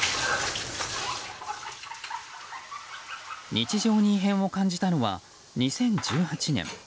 日常に異変を感じたのは２０１８年。